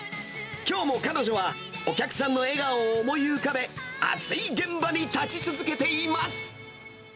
きょうも彼女は、お客さんの笑顔を思い浮かべ、アツい現場に立ち続けています。